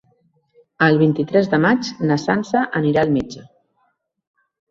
El vint-i-tres de maig na Sança anirà al metge.